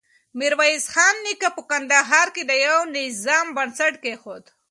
ميرويس خان نيکه په کندهار کې د يوه نظام بنسټ کېښود.